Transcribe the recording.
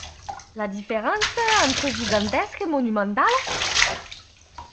La différence entre gigantesque et monumental?